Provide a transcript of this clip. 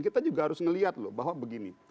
kita juga harus melihat loh bahwa begini